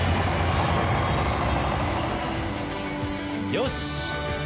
よし！